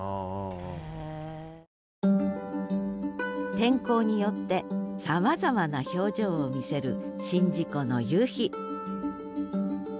天候によってさまざまな表情を見せる宍道湖の夕日